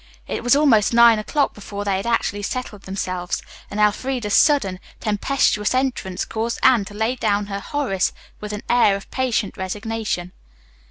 It was almost nine o'clock before they had actually settled themselves, and Elfreda's sudden, tempestuous entrance caused Anne to lay down her Horace with an air of patient resignation.